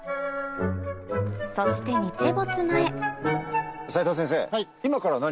そして日没前斉藤先生。